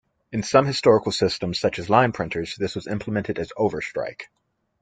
In some historical systems such as line printers this was implemented as overstrike.